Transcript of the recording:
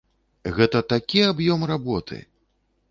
Гэта такі аб'ём работы!